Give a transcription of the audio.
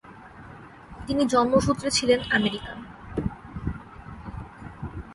তিনি জন্মসূত্রে ছিলেন আমেরিকান।